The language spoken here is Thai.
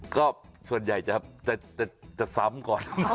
ก็ส่วนใหญ่เจอจะท่ายเธอสัมก่อ